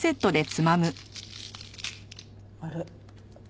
あれ？